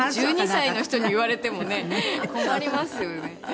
１２歳の人に言われてもね困りますよね。